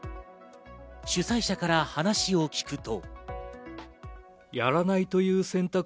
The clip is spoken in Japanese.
主催者から話を聞くと。